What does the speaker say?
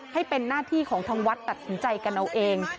ให้เป็นหน้าที่ของทางวัดตัดสินใจกันเอาเอง